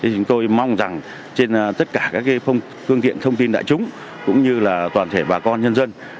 chúng tôi mong rằng trên tất cả các phương tiện thông tin đại chúng cũng như toàn thể bà con nhân dân